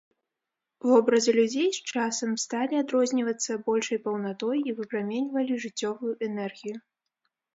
Вобразы людзей з часам сталі адрознівацца большай паўнатой і выпраменьвалі жыццёвую энергію.